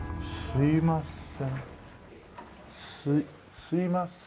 すいません。